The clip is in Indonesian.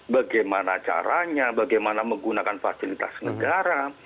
bagaimana caranya bagaimana menggunakan fasilitas negara